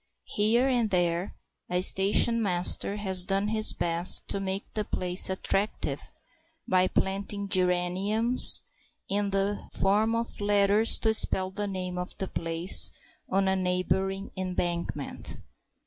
Here and there a station master has done his best to make the place attractive by planting geraniums in the form of letters to spell the name of the place on a neighbouring embankment.